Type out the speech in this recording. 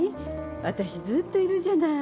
私ずっといるじゃない。